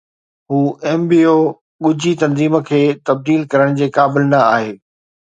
هو Mbo ڳجهي تنظيم کي تبديل ڪرڻ جي قابل نه آهي